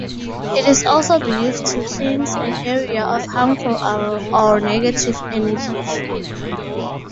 It is also believed to cleanse an area of harmful or negative energies.